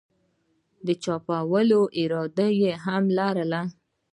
چاپ کولو اراده ئې هم لرله